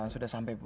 sudah sampai bu